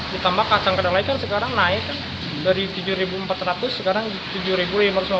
ditambah kacang kedelai kan sekarang naik dari tujuh empat ratus sekarang tujuh lima ratus lima puluh